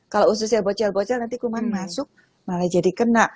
kalau ususnya bocel bocel nanti kuman masuk malah jadi kena